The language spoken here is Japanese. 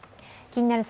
「気になる！